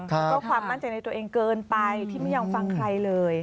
ก็ความมั่นใจในตัวเองเกินไปที่ไม่ยอมฟังใครเลย